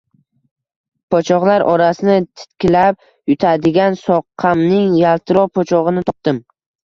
Po‘choqlar orasini titkilab, yutadigan soqqamning yaltiroq po‘chog‘ini topdim.